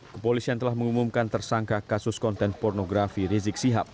kepolisian telah mengumumkan tersangka kasus konten pornografi rizik sihab